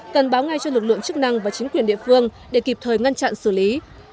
cần báo ngay cho lực lượng chức năng và chính quyền địa phương để kịp thời ngăn chặn xử lý